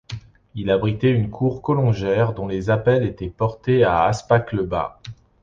Il abritait une cour colongère dont les appels étaient portés à Aspach-le-Bas.